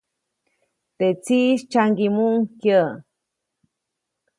Teʼ tsiʼis tsyaŋgiʼmuʼuŋ kyäʼ.